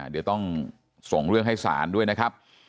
เดี๋ยวต้องส่งเรื่องให้ศาลด้วยนะครับ